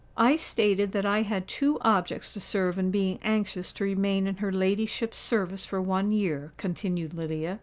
"I stated that I had two objects to serve in being anxious to remain in her ladyship's service for one year," continued Lydia.